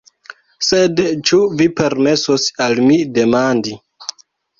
Sed ĉu vi permesos al mi demandi.